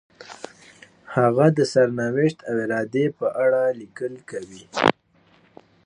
هغه د سرنوشت او ارادې په اړه لیکل کوي.